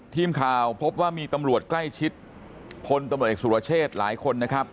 ทีมข่าวพบว่ามีตำรวจใกล้ชิดพลตำรวจเอกสุรเชษฐ์หลายคนนะครับ